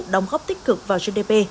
đồng góp tích cực vào gdp